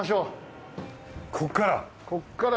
ここから。